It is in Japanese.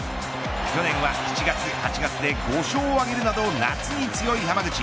去年は７月、８月で５勝を挙げるなど夏に強い濱口。